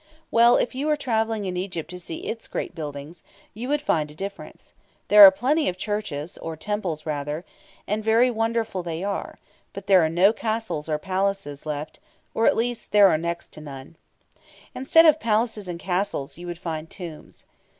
Well, if you were travelling in Egypt to see its great buildings, you would find a difference. There are plenty of churches, or temples, rather, and very wonderful they are; but there are no castles or palaces left, or, at least, there are next to none. Instead of palaces and castles, you would find tombs.